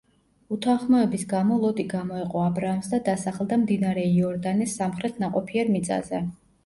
უთანხმოების გამო ლოტი გამოეყო აბრაამს და დასახლდა მდინარე იორდანეს სამხრეთ ნაყოფიერ მიწაზე.